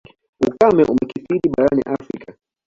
Ukame umekithiri barani Afrika.